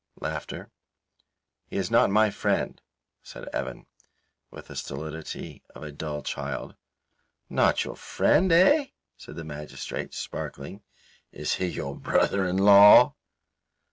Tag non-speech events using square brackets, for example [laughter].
[laughs] "He is not my friend," said Evan, with the stolidity of a dull child. "Not your friend, eh?" said the magistrate, sparkling. "Is he your brother in law?"